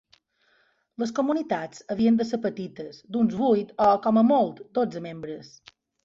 Les comunitats havien de ser petites, d'uns vuit o, com a molt, dotze membres.